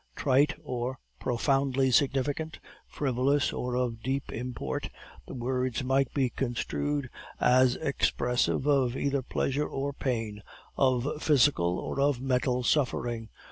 Trite or profoundly significant, frivolous or of deep import, the words might be construed as expressive of either pleasure or pain, of physical or of mental suffering.